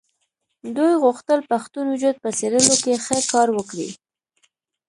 دوی غوښتل پښتون وجود په څېرلو کې ښه کار وکړي.